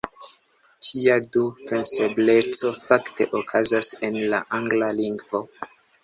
Tia "du-pensebleco" fakte okazas en la angla lingvo.